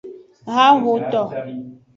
Haxoto.